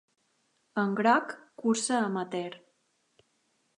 En groc, cursa amateur.